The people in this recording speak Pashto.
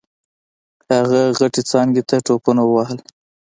هغه غټې څانګې ته ټوپونه ووهل.